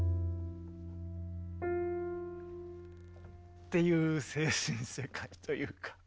っていう精神世界というか。